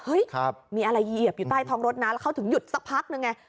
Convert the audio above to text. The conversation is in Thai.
มีอะไรเหยียบอยู่ใต้ท้องรถนะแล้วเขาถึงหยุดสักพักนึงไง